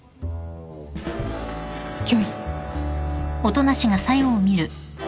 御意。